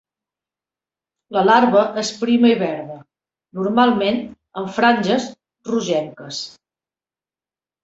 La larva és prima i verda, normalment amb franges rogenques.